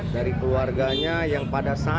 dari keluarganya yang pada saat